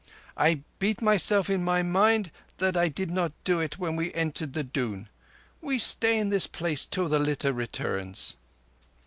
I beat myself in my mind that I did not do it when we entered the Doon. We stay in this place till the litter returns."